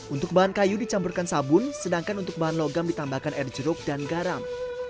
untuk bahan kayu dicampurkan sabun sedangkan untuk bahan logam ditambahkan air jeruk dan garam